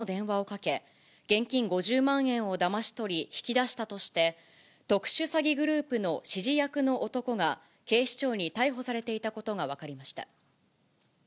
神奈川県の高齢女性に、医療費の還付金が受け取れるなどとうその電話をかけ、現金５０万円をだまし取り、引き出したとして、特殊詐欺グループの指示役の男が警視庁に逮捕されていたことが分かりました。